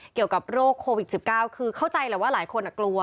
เกี่ยวกับโรคโควิด๑๙คือเข้าใจแหละว่าหลายคนกลัว